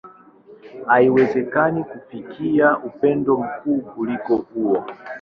Haiwezekani kufikiria upendo mkuu kuliko huo.